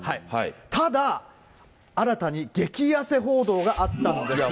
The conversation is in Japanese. ただ、新たに激痩せ報道があったんです。